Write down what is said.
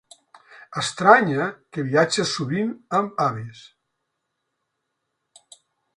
Estranya que viatja sovint amb avis.